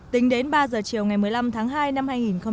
tính đến ba giờ chiều ngày một mươi năm tháng hai năm hai nghìn một mươi bảy